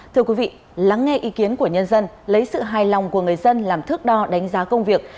thưa quý vị lắng nghe ý kiến của nhân dân lấy sự hài lòng của người dân làm thước đo đánh giá công việc